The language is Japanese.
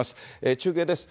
中継です。